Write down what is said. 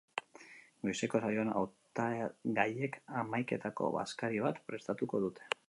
Goizeko saioan hautagaiek hamaiketako-bazkari bat prestatuko dute.